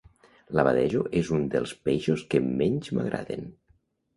L'abadejo és un dels peixos que menys m'agraden.